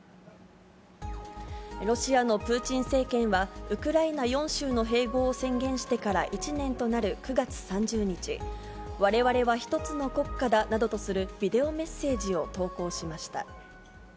ロシアのプーチン政権は、ウクライナ４州の併合を宣言してから１年となる９月３０日、われわれは一つの国家だなどとするビデオメッセージを投稿しました。